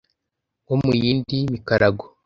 nko mu yindi mikarago.